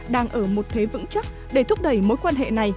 đang ở một thế vững chắc để thúc đẩy